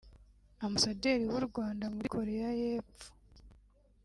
Ambasaderi w’u Rwanda muri Korea y’Epfo